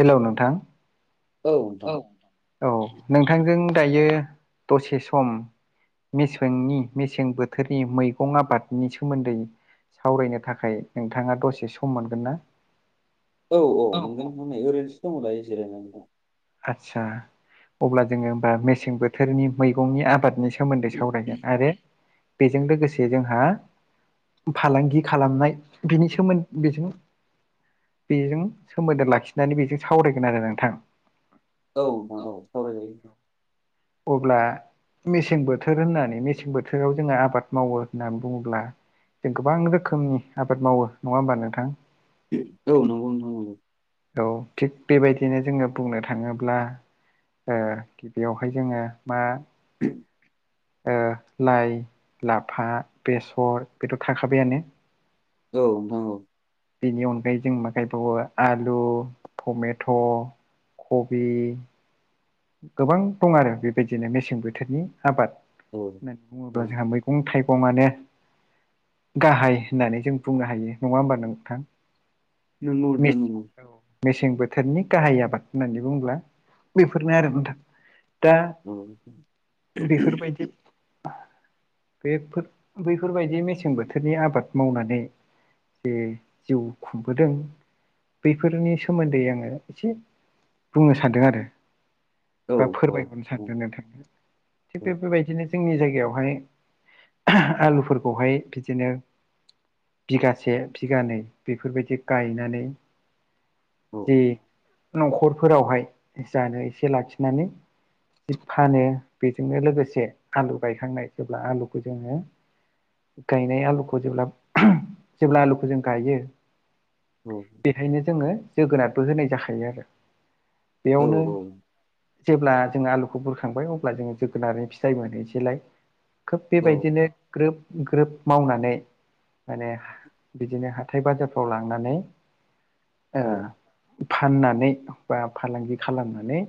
हेल' नोंथां औ औ नोंथांजों दायो दसे सम मेसेंनि मेसें बोथोरनि मैगं आबादनि सोमोन्दै सावरायनो थाखाय नोंथाङा दसे सम मोनगोन ना? औ औ मोनगोन नोंथां नै ओरैनोसो दङ दायो जिरायना दं। आदसा अब्ला जोङो होमबा मेसें बोथोरनि मैगंनि आबादनि सा सोमोन्दै सावरायगोन आरो बेजों लोगोसे जोंहा फालांगि खालामनाय बिनि सोमोन्दै बेजों बेजों सोमोन्दो लाखिनानै बेजों सावरायगोन आरो नोंथां। औ नोंथां औ सावराय जायो अब्ला मेसें बोथोर होननानै मेसें बोथोराव जोङो आबाद मावो होननानै बुङोब्ला जों गोबां रोखोमनि आबाद मावो नङा होमबा नोंथां? औ नंगौ नोंथां औ थिग बेबायदिनो जोङो बुंनो थाङोब्ला गिबियावहाय जोङो मा [inaudible] लाइ लाफा बेसर बेथ' थाखाबायानो औ नोंथां औ बेनि अनगायै जों मा गायबावो आलु टमेट' कबि गोबां दं आरो बेबायदिनो मेसें बोथोरनि आबाद होननानै नोंथां औ बुङोब्ला जोंहा मै गं थाइगंनो गाहाय होननानै जों बुंनो हायो। नङा होमबा नोंथां? नोंगौ नोंथां मेसें नोंगौ। मेसें बोथोरनि गाहाय आबाद होननानै बुंङोब्ला बेफोरनो आरो नोंथां दा औ बेफोरबायदि बेफोर बैफोरबायदि मेसें बोथोरनि आबाद मावनानै बे जिउ खुंबोदों। बैफोरनि सोमोन्दै आङो एसे बुंनो सानदों आरो। औ बा औ फोरमायहरनो सानदों नोंथांनो। थिग बेफोरबायदिनो जोंनि जायगायावहाय आलुफोरखौहाय बिदिनो बिगासे बिगानै बेफोरबायदि गायनानै औ बि न'खरफोरावहाय जानो एसे लाखिनानै जि फानो बेजोंनो लोगोसे आलु गायखांनाय जेब्ला आलुखौ जोङो गायनाय आलुखौ जेब्ला जेब्ला आलुखौ जों गायो। औ बेखायनो जोङो जोगोनारबो होनाय जाखायो आरो। औ बेयावनो औ जेब्ला जोङो आलुखौ बुरखांबाय अब्ला जोङो जोगोनानै फिथाइ मोनोसेैलाय। खोब औ बेबायदिनो ग्रोब ग्रोब मावनानै माने बिदिनो हाथाय बाजारफ्राव लांनानै ओ फाननानै बा फालांगि खालामनानै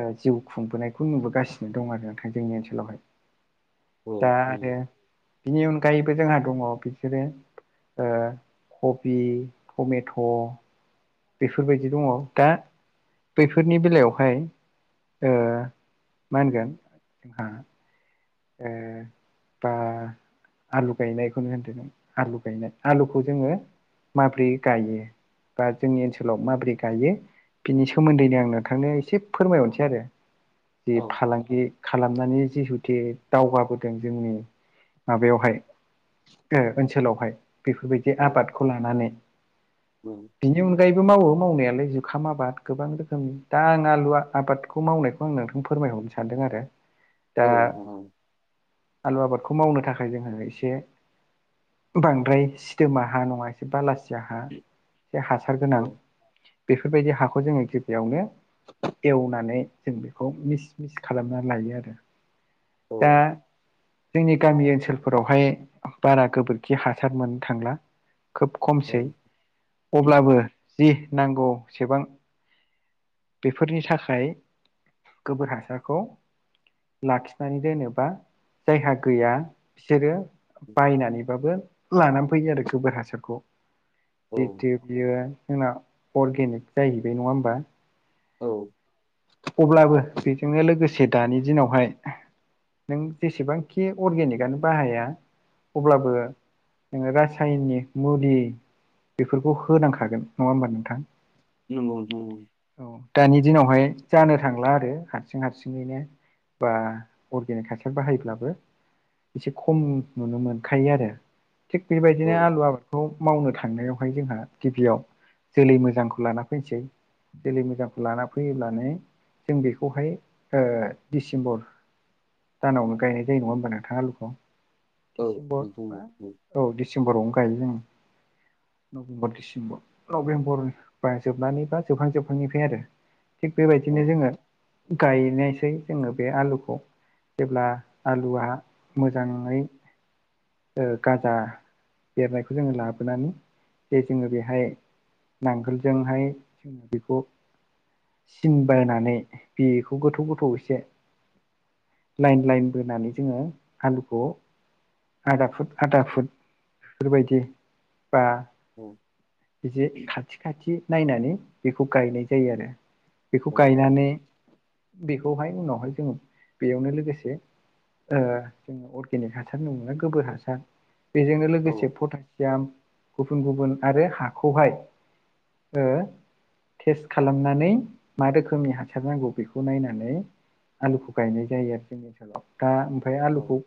ओ जिउ खुंबोनायखौ नुबोगासिनो दं आरो नोंथां जोंनि ओनसोलावहाय। औ दा आरो बिनि अनगायैबो जोंहा दङ। बिसोरो ओ कबि, टमेथ' बेफोरबायदि दङ। दा बैफोरनि बेलायावहाय ओ मा होनगोन आ ओ बा आलु गायनायखौनो होनदो, आलु गायनाय आलुखौ जोङो माब्रै गायो? बा जोंनि ओनसोलाव माबोरै गायो? बिनि सोमोन्दैनो आं नोंथांनो एसे फोरमायहरनोसै आरो। औ जे फालांगि खालामनानै जिहुथे दावगाबोदों जोंनि माबायावहाय ओ ओनसोलावहाय बेफोरबायदि नोंथां, बे औ आबादखौ लानानै बिनि अनगायैबो मावो मावनायालाय जुखाम आबाद गोबां रोखोमनि दा आं आलु आबाद खौ मावनायखौ आं नोंथां फोरमायहरनो सानदों आरो। दा औ नोंथां औ आलु आबादखौ मावनो थाखाय जोङो एसे बांद्राय सिदोमा हा नङा एसे बालासिया हा बे हासार गोनां बेफोरबायदि हाखौ जोङो गिबियावनो एवनानै जों बेखौ मिस मिस खालामना लायो आरो। दा जोंनि गामि ओनसोलफोरावहाय बारा गोबोरखि हासार मोननो थांला। खोब औ खमसै अब्लाबो जि नांगौसेबां बेफोरनि थाखाय गोबोर हासारखौ लाखिनानै दोनोबा जायहा गैया बिसोरो बायनानैबाबो लानानै फैयो आरो गोबोर हासारखौ। औ जितु बियो जोंना अरगेनिक जाहैबाय नङा होमबा? औ अब्लाबो बेजोंनो लोगोसे दानि दिनावहाय नों जेसेबांखि अरगेनिकआनो बाहाया अब्लाबो नोङो रासायनिक मुलि बेफोरखौ होनांखागोन नङा होमबा नोंथां? नंगौ नोंथां नंगौ। औ दानि दिनावहाय जानो थांला आरो हारसिं हारसिङैनो बा अरगेनिक हासार बाहायब्लाबो एसे खम नुनो मोनखायो आरो थिग औ बेबायदिनो आलु आ खौ मावनो थांनायावहाय जोंहा गिबियाव जोलै मोजांखौ लाना फैनोसै जोलै मोजांखौ लाना फैयोब्लानो जों बेखौहाय ओ डिसेम्बर दानावनो गायनाय जायो नङा होमबा नोंथां आलुखौ औ औ डिसेम्बर नोंथां औ बा औ डिसेम्बरावनो गायो जों। नभेम्बर डिसेम्बर नभेम्बरनि जोबनानै बा जोबहां जोबहां निफ्राय आरो। थिग औ बेबायदिनो जोङो गायनायसै जोङो बे आलुखौ। जेब्ला आलुआ मोजाङै ओ गाजा बेरनायखौ जोङो लाबोनानै जे जोङो बेहाय नांगोलजोंहाय जोङो बेखौ सिन बायनानै बेखौ गोथौ गोथौ एसे लाइन लाइन बोनानै जोङो आलुखौ आदा फुट आदा फुट बेफोरबायदि बा औ। बिदि खाथि खाथि नायनानै बेखौ गायनाय जायो आरो। बेखौ औ गायनानै बेखौहाय उनावहाय जोङो बेयावनो लोगोसे ओ जोङो अर्गेनिक हासार नङा गोबोर हासार बेजोंनो लोगोसे औ पटासियाम गुबुन गुबुन आरो हाखौहाय ओ टेस्ट खालामनानै मा रोखोमनि हासार नांगौ बेखौ नायनानै आलुखौ गायनाय जायो आरो जोंनि ओनसोलाव दा ओमफ्राय आलुखौ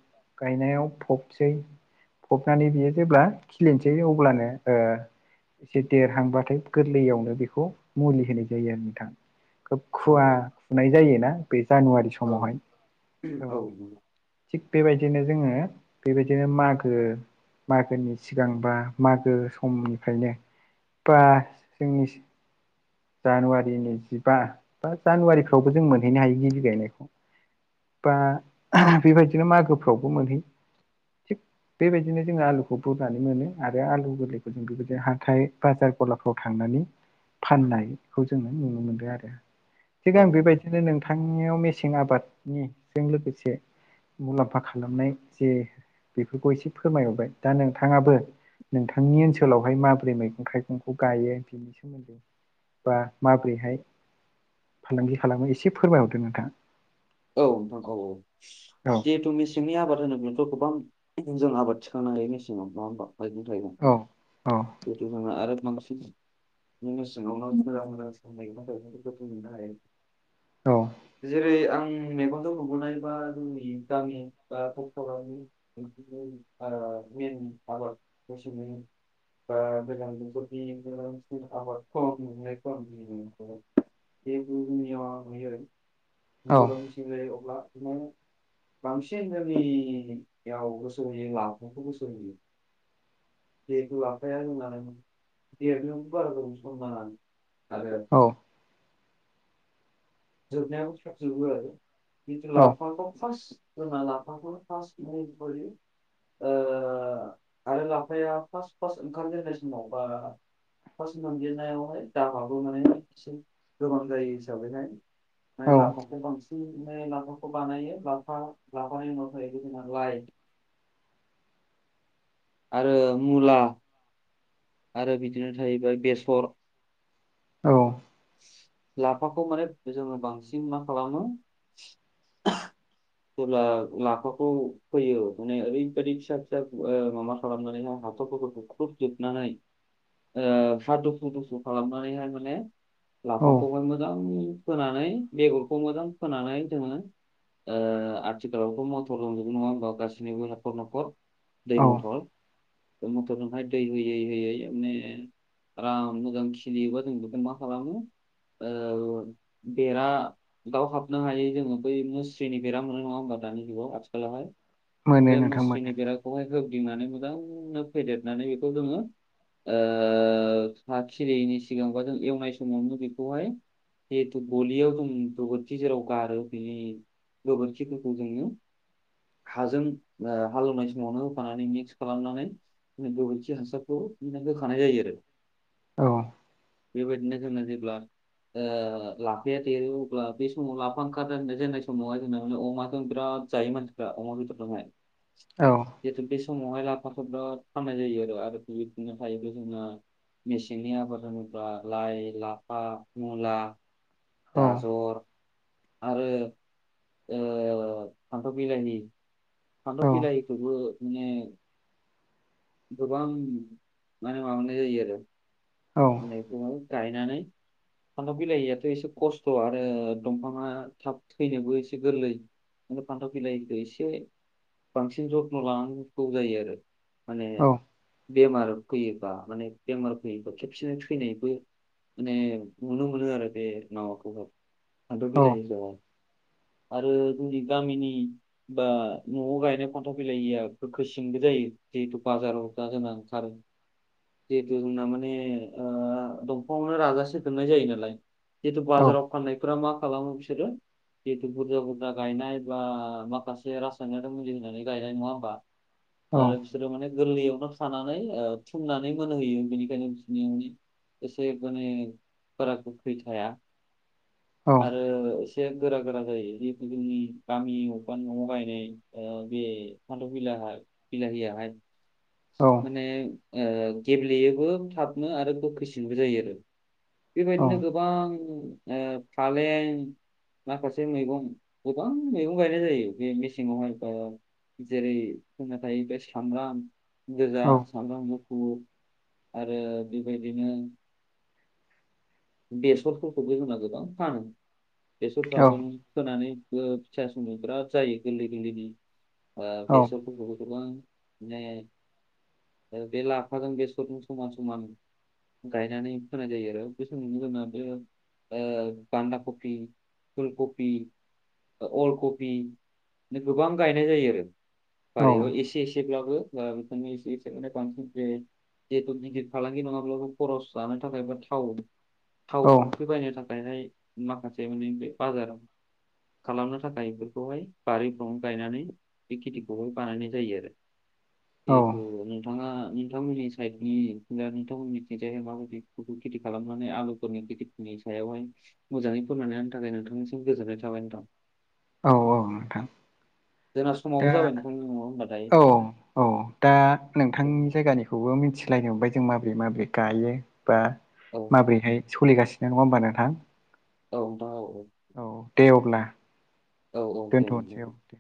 गायनायाव फबसै फबनानै बियो जेब्ला खिलिनोसै अब्लानो ओ एसे देरहांबाथाय गोरलैयावनो बेखौ मुलि होनाय जायो आरो नोंथां। खोब खुवा खुनाय जायोना बे जानुवारि समावहाय औ। थिग बेबायदिनो जोङो बेबायदिनो मागो मागोनि सिगां बा मागो समनिफ्रायनो बा जोंनि जानुवारिनि जिबा बा जानुवारिफ्रावबो जों मोनहैनो हायो गिबि गायनायखौ। बा बेबायदिनो मागोफ्रावबो मोनहैयो थिग बेबायदिनो जोङो आलुखौ बुरनानै मोनो आरो आलु गोरलैखौ जों बेबायदि हाथाय बाजार गलाफ्राव थांनानै फाननाय खौ जोङो नुनो मोनदों आरो थिग औ आं बेबायदिनो नों बिथांनियाव मेसें आबादनिजों लोगोसे मुलाम्फा खालामनाय जे बेफोरखौ एसे फोरमायहरबाय दा नोंथाङाबो नोंथांनि ओनसोलावहाय माबोरै मैगं थाइगंखौ गायो बिनि सोमोन्दै बा माबोरैहाय फालांगि खालामो एसे फोरमायहरदो नोंथां। औ नोंगौ जिहेथु मे सेंनि आबाद होनो बेनोथ' गोबां जों आबाद थिखांनो हायो मेसेंआवना नङा होनबा मैगं थाइगं औ औ। [unintelligible] आरो बांसिन मेसें आवनो मोजां मोजांसिन मैगं थाइगंफोरखौ जों मोन्नो हायो। औ जेरै आं मेगनजों नुुबोनाय बा जोंनि गामि बा [unintelligible] [unintelligible] ओ गोजां बोथोरनि [unintelligible] [unintelligible] बांसिन जोंनि [unintelligible] जेथु लाफाया जोंना देरनायावबो बारा गोबाव सनमान नांआ आरो औ। जोबनायाब जोबो आरो जिथु औ लाखौ फार्स्ट जोंहा लाफाखौनो फार्स मेनथ्रलि ओ आरो लाफाया फार्स्ट फार्स्ट ओंखारामजेननाय समाव बा फार्स्ट मोनजिरनायावहाय दाबाबो माने एसे गोबां जायो हिसाबैहाय माने औ लाफाखौ बांसिनाने लाफाखौ बानायो लाफा लाानि उनाव जोंना लाइ आरो मुला आरो बिदिनो थाहैबाय बेसर औ। लाफाखौ माने जोङो बांसिन मा खालामो [inaudible] जेब्ला लाफाखौ फोयो माने ओरैबायदि फिसा फिसा माबा खालामनानैहाय हाथरफोरखौ बुख्रुबजोबनानै ओ हा दुफु दुफु खालामनानैहाय माने औ लाफाखौहाय मोजां फोनानै बेगरखौ मोजां फोनानै जोङो ओ आथिखालावथ' मटर दंजोबो नङा होनबा गासैनिबो न'खर न'खर दै औ मटर दै मथर हाय दै होयै होयै माने आराम मोजां खिलियोबा जों बेखायनो मा खालामो ओ बेरा दाव हाबनो हायै जोङो बै मुस्रिनि बेराम मोनो नङा होमबा दानि जुगाव आथिखालावहाय मोनो बे नोंथां मोनो मुस्रिनि बेराखौहाय होबदिंनानै मोजांनो फेदेरनानै बेखौ जोङो ओ हा खिलियैनि सिगांबा जों एवनाय समावनो बेखौहाय जिथु गलियाव जों गोबोरखि जेराव गारो बिनि गोबोरखिफोरखौ जोङो हाजों ओ हालेवनाय समावनो होफानानै मिक्स खालामनानै जोंङो गोबोरखि हासारखौ गनानै होखानाय जायो आरो औ। बेबायदिनो जोङो जेब्ला ओ लाफाया देरो अब्ला बे समाव लाफा ओंखारा जेननाय समावहाय जोंना माने अमाजों बिराद जायो मानसिफ्रा अमा बेदरजोंहाय। औ। जिहेतु बे समावहाय लाफाखौ बिराद फाननाय जायो आरो आरो [unintelligible] मेसेंनि आबाद होनोब्ला लाइ, लाफा, मुला, औ गाजर आरो ओ फान्थाव बिलाइनि फान्थाव औ बिलाहिखौबो माने गोबां माने माबानाय जायो आरो औ। एखौहाय गायनानै फान्थाव बिलाइयाथ' एसे खस्थ' आरो दंफाङा थाब थैनोबो एसे गोरलै मने फान्थाव बिलाायखौ एसे बांसिन जथ्न' लानांगौ जायो आरो। माने औ बेमार फैयोबा माने बेमार फैयोबा खेबसेनो थैनायबो माने नुनो मोनो आरो बे माबाखौह फानथाव औ बिलाहिखौहाय आरो जोंनि गामिनि बा न'आव गायनाय फानथाव बिलाहिया गोखोसिंबो जायो जिहेथु बाजाराव दा जोंहा ओंखारो जिहेथु जोंना माने ओ दंफांङावनो राजाजासे दोननाय जायो नालाय जिथु औ बाजाराव फाननायफोरा मा खालामो बिसोरो जिथु बुरजा बुरजा गायनाय बा माखासे रासायनारि मुलि होनानै गायनाय नङा होमबा? ओ औ बिसोरो माने गोरलैयावनो थानानै ओ थुमनानै मोनहैयो बेनिखायनो एसे माने माने बारा गोखै थाया आरो एसे एसे गोरा गोरा जायो जिहेतु जोंनि गामि अबावबा न'आव गायनाय ओ बे फान्थाव बिलाहा बिलाहियाहाय औ माने ओ गेब्लेयोबो थाब आरो गोखैसिनबो जायो आरो बेबायदिनो गोबां फालें माखासे मैगं गोबां मैगं गायनाय जायो बे मेसेंवाहाय जेरै जोना थाहैबाय साब्राम गोजा सामब्राम मुफुर आरो बेबायदिनो बेसरफोरखौबो होनना गोबां फानो बेसरफ्राबो फोनानै फिसा समाव बिराद जायो गोरलै गोरलैनि ब बेसरफोरखौबो गोबां [unintelligible] बे लाफाजों बेसरजों समान समान गायनानै फोनाय जायो आरो गोसोनो जा बे बान्दा कफ फुलकबि अल कफि गोबां गायनाय जायो आरो बारियाव एसे एसे [unintelligible] जिहेथु निखिर फालांगि नंङाब्लाबो खरस जानो थाखाय थाव थाव औ संख्रि बायनो थाखायहाय माखासे मोनै बे बाजाराव खालामनो थाखाय बेफोरखौहाय बारिफ्रावनो गायनानै बे खेथिखौह बानायनाय जायो आरो औ औ जिहेथु नोंथाङा नोंथांमोननि साइडनि नोंथांमोननि मिथि जाय माबायदि खेथि खालाम नानै आलुफोरनि गिदिरनि सायावहाय मोजांङै फोरोननानै होनानो थाखाय नोंथांनिसिम गोजोन्नाय थाबाय नोंथां औ औ नोंथां जोंना दा समावबो जाबाय नोंथांनि होनबा दायो औ औ दा नोंथांनि जायगानिखौबो मिथिलायनो मोनबाय जों माबोरै माबोरै गायो बा औ माबोरैहाय सोलिगासिनो नंङा होमबा नोंथां औ नोंथां औ औ दे अब्ला औ औ दे दोनथ'नोसै औ दे